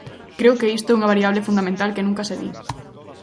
Creo que isto é unha variable fundamental que nunca se di.